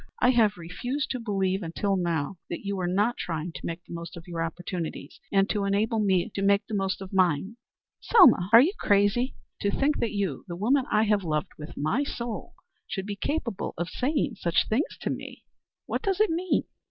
I have refused to believe until now that you were not trying to make the most of your opportunities, and to enable me to make the most of mine." "Selma, are you crazy? To think that you, the woman I have loved with all my soul, should be capable of saying such things to me! What does it mean?"